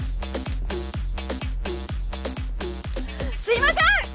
すいません！